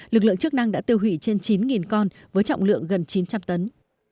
lực lượng chức năng đã tiêu hủy trên chín con với trọng lượng gần chín trăm linh tấn